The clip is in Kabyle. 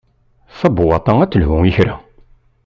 Tabewwaṭ-a ad telhu i kra.